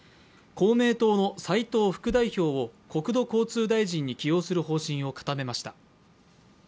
公明党の斉藤副代表を国土交通大臣に起用する方針を固めました。